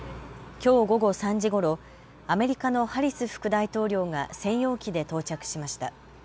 きょう午後３時ごろアメリカのハリス副大統領が専用機で到着しました。